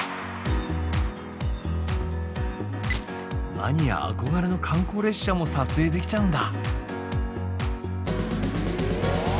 マニア憧れの観光列車も撮影できちゃうんだ。